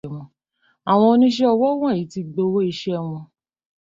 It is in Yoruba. Àwọn ọníṣẹ́ ọwọ́ wọ̀nyí ti gbowó iṣẹ́ wọn.